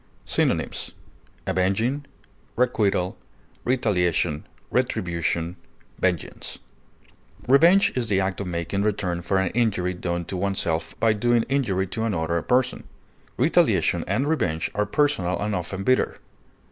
Synonyms: avenging, retaliation, retribution, vengeance. requital, Revenge is the act of making return for an injury done to oneself by doing injury to another person. Retaliation and revenge are personal and often bitter.